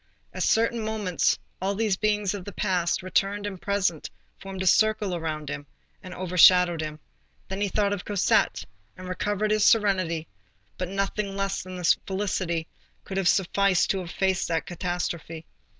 At certain moments, all these beings of the past, returned and present, formed a circle around him, and overshadowed him; then he thought of Cosette, and recovered his serenity; but nothing less than this felicity could have sufficed to efface that catastrophe.